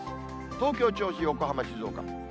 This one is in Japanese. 東京、銚子、横浜、静岡。